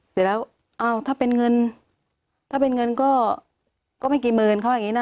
เสร็จแล้วอ้าวถ้าเป็นเงินถ้าเป็นเงินก็ไม่กี่หมื่นเขาอย่างนี้นะ